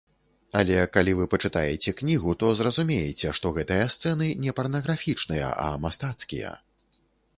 Але калі вы пачытаеце кнігу, то зразумееце, што гэтыя сцэны не парнаграфічныя, а мастацкія.